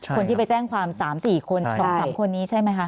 คนที่ไปแจ้งความ๓๔คน๒๓คนนี้ใช่ไหมคะ